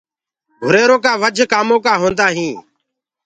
گُريرو ڪآ وجھ ڪآمو هوندآ هينٚ۔